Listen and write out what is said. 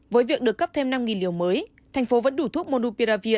với việc được cấp thêm năm liều mới thành phố vẫn đủ thuốc monupiravir